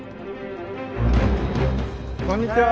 こんにちは。